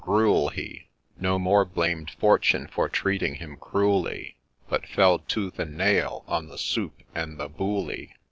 gruel, he No more blamed Fortune for treating him cruelly, But fell tooth and nail on the soup and the bouilli.